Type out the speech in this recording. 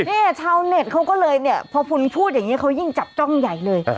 ชาวเน็ตเขาก็เลยเนี่ยพอคุณพูดอย่างนี้เขายิ่งจับจ้องใหญ่เลย